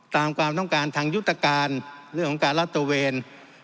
ตามความต้องการทางยุตการณ์เรื่องของการรัฐเตอร์เวน